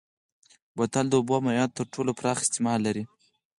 بوتل د اوبو او مایعاتو تر ټولو پراخ استعمال لري.